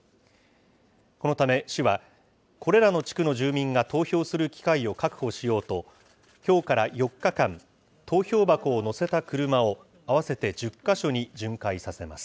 このため、市は、これらの地区の住民が投票する機会を確保しようと、きょうから４日間、投票箱を載せた車を、合わせて１０か所に巡回させます。